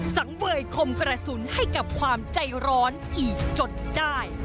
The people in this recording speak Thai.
สังเวยคมกระสุนให้กับความใจร้อนอีกจนได้